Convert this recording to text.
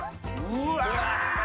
うわ！